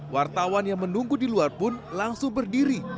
wartawan yang menunggu di luar pun langsung berdiri